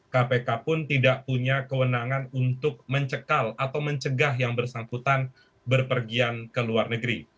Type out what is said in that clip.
kpk pun tidak punya kewenangan untuk mencekal atau mencegah yang bersangkutan berpergian ke luar negeri